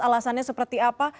alasannya seperti apa